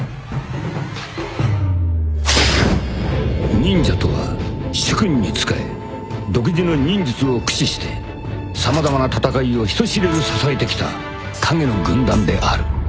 ［忍者とは主君に仕え独自の忍術を駆使して様々な戦いを人知れず支えてきた影の軍団である］